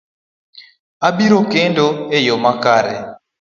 abiriyo kendo e yo makare.